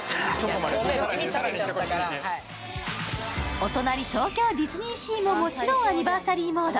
お隣、東京ディズニーシーももちろんアニバーサリーモード。